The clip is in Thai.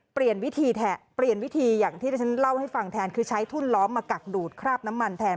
เปลี่ยนวิธีอย่างที่ที่ฉันเล่าให้ฟังแทนคือใช้ทุ่นล้อมมากักดูดคราบน้ำมันแทน